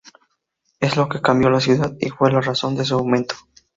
Es lo que cambió la ciudad y fue la razón de su aumento.